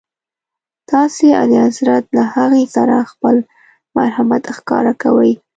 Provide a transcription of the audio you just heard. تاسي اعلیحضرت له هغې سره خپل مرحمت ښکاره کوئ.